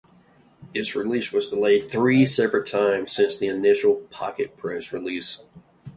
Its release was delayed three separate times since the initial Pocket press release.